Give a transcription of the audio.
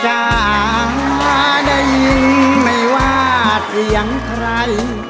จ้าได้ยินไม่ว่าเสียงใคร